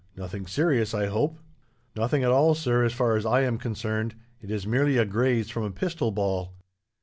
Nothing serious, I hope?" "Nothing at all, sir, as far as I am concerned. It is merely a graze from a pistol ball."